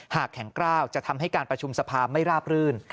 แข็งกล้าวจะทำให้การประชุมสภาไม่ราบรื่น